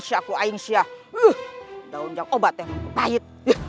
daunnya obatnya pahit